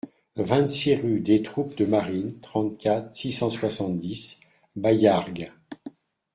vingt-six rue des Troupes de Marines, trente-quatre, six cent soixante-dix, Baillargues